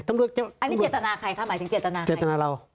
ต้องเลือกจะอันนี้เจตนาใครคะหมายถึงเจตนาใครคะ